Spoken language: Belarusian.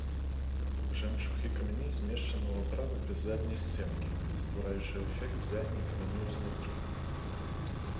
Жэмчуг і камяні змешчаны ў аправы без задняй сценкі, ствараючы эфект ззяння камянёў знутры.